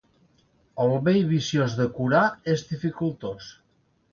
El vell viciós de curar és dificultós.